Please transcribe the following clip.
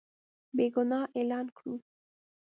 بېګناه اعلان کړو.